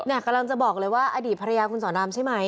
เนี่ยกำลังจะบอกเลยว่าอดีตภรรยาคุณสอนามใช่มั้ย